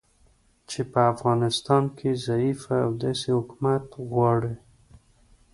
چې په افغانستان کې ضعیفه او داسې حکومت غواړي